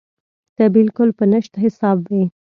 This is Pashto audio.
ته بالکل په نشت حساب وې.